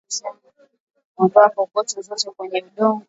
Ondoa kokoto zote kwenye udongo